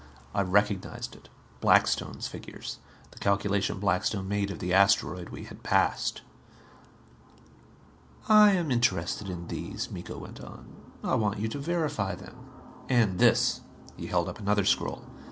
I recognized it. Blackstone's figures. The calculation Blackstone made of the asteroid we had passed. "I am interested in these," Miko went on. "I want you to verify them. And this." He held up another scroll.